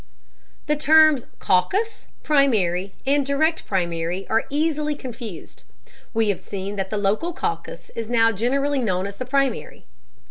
The terms caucus, primary, and direct primary are easily confused. We have seen that the local caucus is now generally known as the primary.